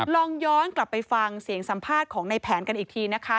ลองย้อนกลับไปฟังเสียงสัมภาษณ์ของในแผนกันอีกทีนะคะ